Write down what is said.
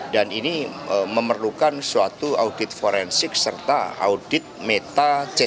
dan ini memerlukan suatu audit forensik serta audit meta c satu